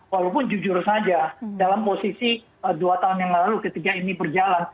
walaupun jujur saja dalam posisi dua tahun yang lalu ketika ini berjalan